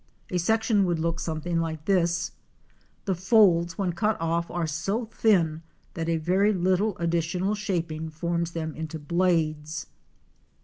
A section would look something like this: The folds when cut off are so thin that a very little additional shaping forms them into blades.